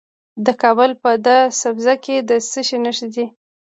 د کابل په ده سبز کې د څه شي نښې دي؟